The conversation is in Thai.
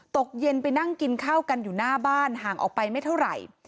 ตกเย็นไปนั่งกินข้าวกันอยู่หน้าบ้านห่างออกไปไม่เท่าไหร่